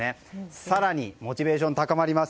更にモチベーション高まります。